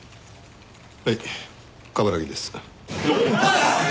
はい冠城です。